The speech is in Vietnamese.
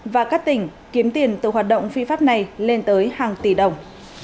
và các tỉnh kiếm tiền từ hoạt động phi pháp này lên tới hàng tỷ đồng